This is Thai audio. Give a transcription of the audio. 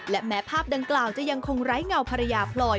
และแม้ภาพดังกล่าวจะยังคงไร้เงาภรรยาพลอย